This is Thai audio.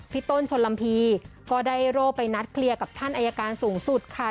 ต้นชนลำพีก็ได้โร่ไปนัดเคลียร์กับท่านอายการสูงสุดค่ะ